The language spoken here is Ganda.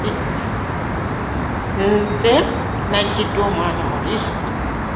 Nze najjidwa omwana oli!